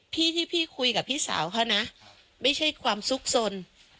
ที่ที่พี่คุยกับพี่สาวเขานะไม่ใช่ความสุขสน